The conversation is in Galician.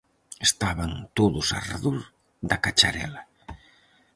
Estaban todos arredor da cacharela.